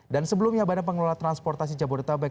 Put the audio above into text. dan sebelumnya badan pengelola transportasi jabodetabek